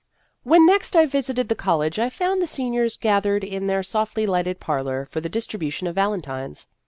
When next I visited the college, I found the seniors gathered in their softly lighted parlor for the distribution of valentines.